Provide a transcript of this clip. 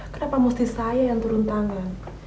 kenapa mesti saya yang turun tangan